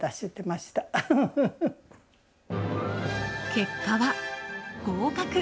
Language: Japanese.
結果は合格。